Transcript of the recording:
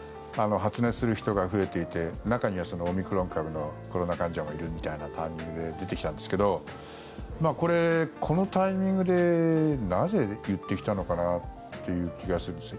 発熱する人が増えていて中にはオミクロン株のコロナ患者もいるみたいなタイミングで出てきたんですけどこれ、このタイミングでなぜ言ってきたのかなという気がするんです。